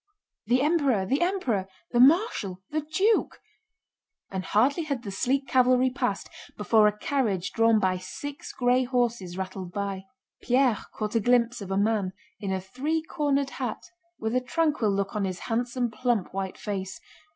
"The Emperor! The Emperor! The Marshal! The Duke!" and hardly had the sleek cavalry passed, before a carriage drawn by six gray horses rattled by. Pierre caught a glimpse of a man in a three cornered hat with a tranquil look on his handsome, plump, white face.